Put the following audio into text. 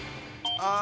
ああ。